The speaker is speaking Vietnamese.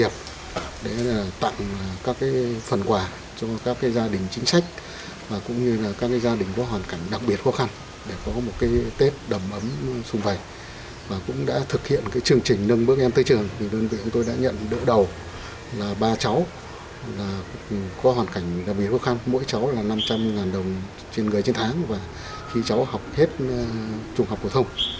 mỗi cháu là năm trăm linh đồng trên người trên tháng và khi cháu học hết trùng học của thông